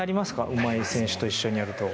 うまい選手と一緒にやると。